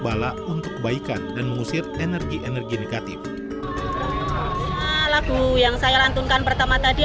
bala untuk kebaikan dan mengusir energi energi negatif lagu yang saya lantunkan pertama tadi